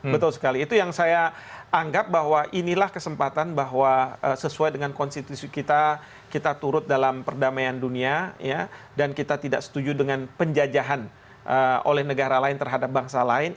betul sekali itu yang saya anggap bahwa inilah kesempatan bahwa sesuai dengan konstitusi kita kita turut dalam perdamaian dunia dan kita tidak setuju dengan penjajahan oleh negara lain terhadap bangsa lain